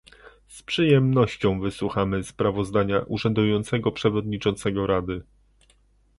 Z przyjemnością wysłuchamy sprawozdania urzędującego przewodniczącego Rady